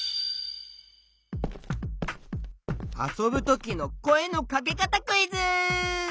あそぶときのこえのかけかたクイズ！